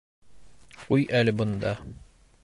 Ҡуй әле бында!